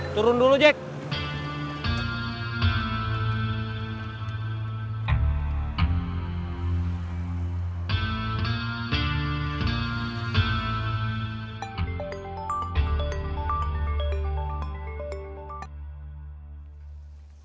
turun dulu jack